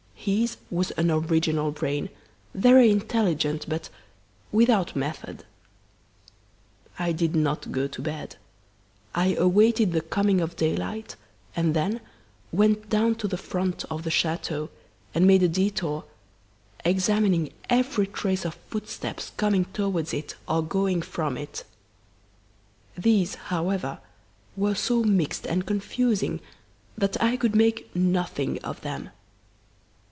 His was an original brain, very intelligent but without method. I did not go to bed. I awaited the coming of daylight and then went down to the front of the chateau, and made a detour, examining every trace of footsteps coming towards it or going from it. These, however, were so mixed and confusing that I could make nothing of them.